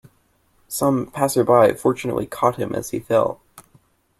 Some passersby fortunately caught him as he fell.